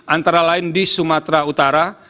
antara lain di sumatera utara